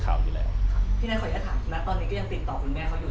พี่นายขออนุญาตถามณตอนนี้ก็ยังติดต่อคุณแม่เขาอยู่